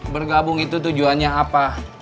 bergabung itu tujuannya apa